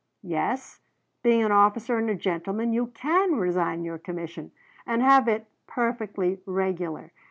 "Yes; being an officer and a gentleman, you can resign your commission, and have it perfectly regular.